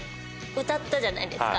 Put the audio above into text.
歌ったじゃないですか。